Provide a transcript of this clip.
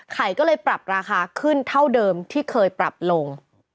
ก็เลยปรับราคาขึ้นเท่าเดิมที่เคยปรับลง